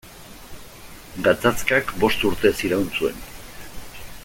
Gatazkak bost urtez iraun zuen.